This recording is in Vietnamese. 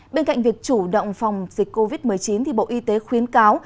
bên cạnh việc chủ động phòng dịch covid một mươi chín bộ y tế khuyến cáo